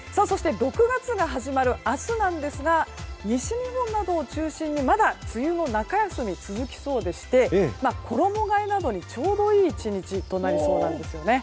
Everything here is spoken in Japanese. ６月が始まる明日なんですが西日本などを中心にまだ梅雨の中休み続きそうでして衣替えなどにちょうどいい１日となりそうなんですね。